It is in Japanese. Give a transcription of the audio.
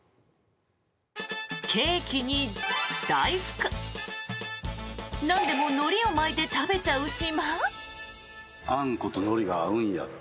ケーキに大福なんでものりを巻いて食べちゃう島？